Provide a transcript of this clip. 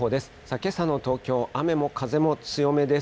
けさの東京、雨も風も強めです。